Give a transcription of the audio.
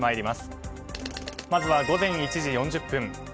まずは午前１時４０分。